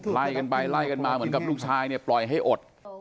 ไล่กันไปไล่กันมาเหมือนกับลูกชายเนี่ยปล่อยให้อด